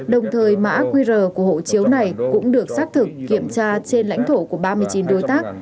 đồng thời mã qr của hộ chiếu này cũng được xác thực kiểm tra trên lãnh thổ của ba mươi chín đối tác